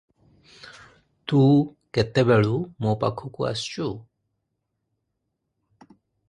ତୁ କେତେବେଳୁ ମୋ ପାଖକୁ ଆସିଚୁ?